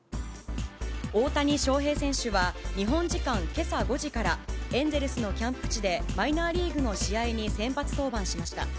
大谷翔平選手は、日本時間けさ５時から、エンゼルスのキャンプ地で、マイナーリーグの試合に先発登板しました。